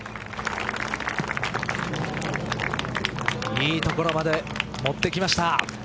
いい所まで持ってきました。